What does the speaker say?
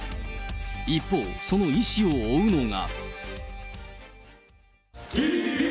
一方、そのイ氏を追うのが。